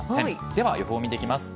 では予報、見ていきます。